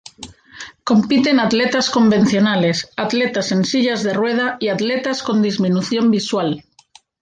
Compiten atletas convencionales, atletas en sillas de rueda y atletas con disminución visual.